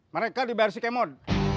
mereka di bersikemon